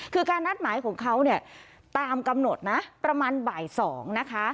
คือการนัดหมายของเขาเนี่ยตามกำหนดนะประมาณบ่าย๒นะคะ